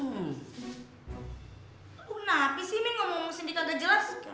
mau napik sih mimin ngomong ngomong sendiri agak jelas sih